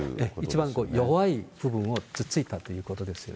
一番弱い部分を突っついたということですね。